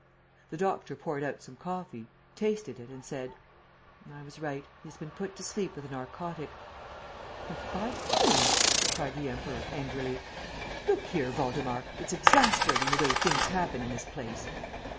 The doctor poured out some coffee, tasted it and said: "I was right. He has been put to sleep with a narcotic." "But by whom?" cried the Emperor, angrily. "Look here, Waldemar; it's exasperating, the way things happen in this place!"